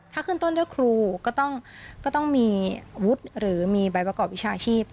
ถ้าขึ้นต้นด้วยครูก็ต้องมีวุฒิหรือมีใบประกอบวิชาชีพ